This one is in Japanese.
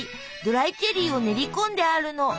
ドライチェリーを練り込んであるの。